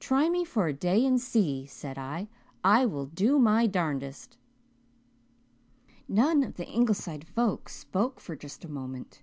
'Try me for a day and see,' said I. 'I will do my darnedest.'" None of the Ingleside folks spoke for just a moment.